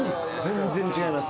全然違います。